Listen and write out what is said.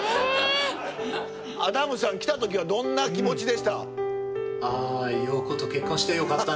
アダムさん来た時はどんな気持ちでした？